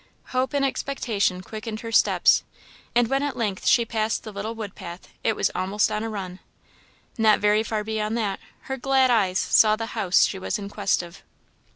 Hope and expectation quickened her steps; and when at length she passed the little wood path, it was almost on a run. Not very far beyond that, her glad eyes saw the house she was in quest of.